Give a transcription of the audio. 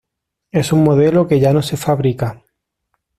Es un modelo que ya no se fabrica.